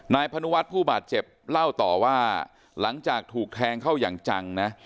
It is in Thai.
พนุวัฒน์ผู้บาดเจ็บเล่าต่อว่าหลังจากถูกแทงเข้าอย่างจังนะ